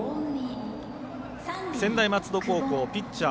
専大松戸高校ピッチャー